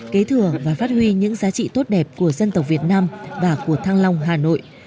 kế thừa và phát huy những giá trị tốt đẹp của dân tộc việt nam và của thăng long hà nội